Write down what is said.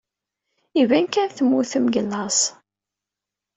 Iban kan temmutem seg laẓ.